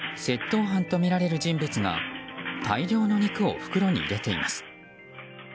窃盗犯とみられる人物が大量の肉を袋に入れています。